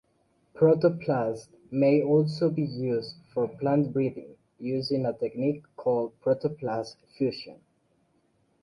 Protoplasts may also be used for plant breeding, using a technique called protoplast fusion.